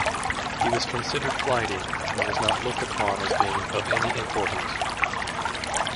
He was considered flighty, and was not looked upon as being of any importance.